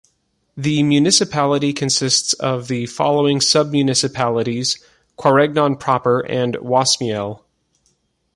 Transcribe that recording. The municipality consists of the following sub-municipalities: Quaregnon proper and Wasmuel.